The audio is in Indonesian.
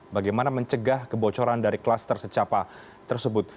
bagaimana mencegah kebocoran dari kluster secapa tersebut